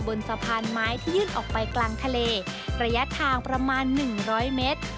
บนสะพานไม้ที่ยื่นออกไปกลางทะเลระยะทางประมาณ๑๐๐เมตร